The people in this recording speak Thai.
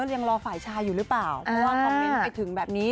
ยังรอฝ่ายชายอยู่หรือเปล่าเพราะว่าคอมเมนต์ไปถึงแบบนี้